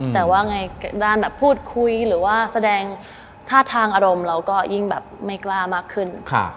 แต่ว่าไงด้านแบบพูดคุยหรือว่าแสดงท่าทางอารมณ์เราก็ยิ่งแบบไม่กล้ามากขึ้น